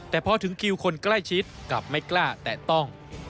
แต่พอถึงคิวคนใกล้ชิดกลับไม่กล้าแตะต้อง